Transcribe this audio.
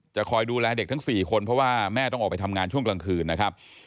คอยดูแลเด็กทั้ง๔คนเพราะว่าแม่ต้องออกไปทำงานช่วงกลางคืนนะครับ